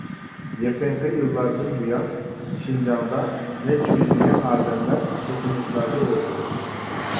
يېقىنقى يىللاردىن بۇيان شىنجاڭدا نەچچە يۈزلىگەن ئادەملەر توقۇنۇشلاردا ئۆلدى.